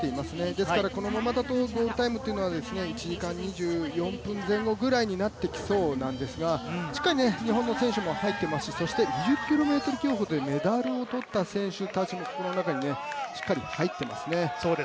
ですからこのままだとゴールタイムは１時間２４分前後になってきそうなんですがしっかりね、日本の選手も入っていますし、２０ｋｍ競歩というメダルを取った選手たちもしっかり入っていますね。